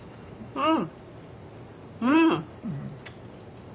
うん。